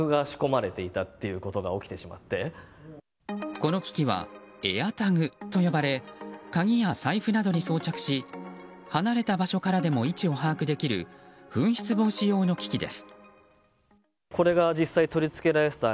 この機器はＡｉｒＴａｇと呼ばれ鍵や財布などに装着し離れた場所からでも位置を把握できる紛失防止用の機器です。